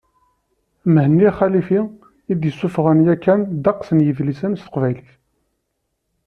Mhenni Xalifi, i d-yessuffɣen yakan ddeqs n yidlisen s teqbaylit.